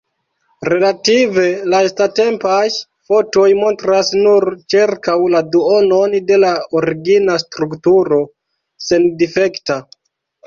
Relative lastatempaj fotoj montras nur ĉirkaŭ la duonon de la origina strukturo sendifekta.